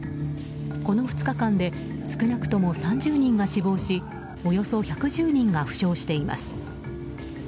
この２日間で少なくとも３０人が死亡しおよそ１１０人が負傷しています。